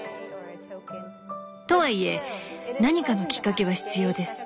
とはいえ何かのきっかけは必要です。